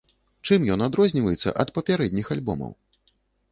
Чым ён адрозніваецца ад папярэдніх альбомаў?